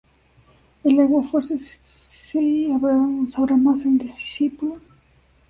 El aguafuerte ¿Si sabrá más el discípulo?